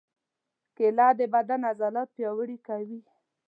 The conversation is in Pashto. کېله د بدن عضلات پیاوړي کوي.